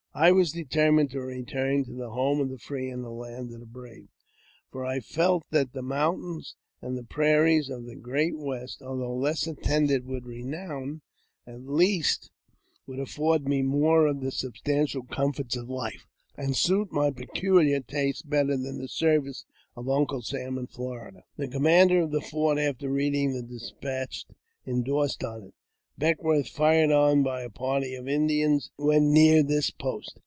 I was determined to return to the " home of the free and the land of the brave," for I felt that the mountains and the prairies of the Great West, although less attended with renown, at least would afford me more of the substantial ■comforts of life, and suit my peculiar taste better than the service of Uncle Sam in Florida. The commander of the fort, after reading the despatch, endorsed on it, " Beckwourth fired on by a party of Indians when near this post."